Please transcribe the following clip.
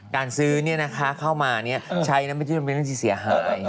การซื้อนี่นะคะเข้ามาเนี่ยใช้นั้นไม่ได้เป็นเรื่องที่เสียหาย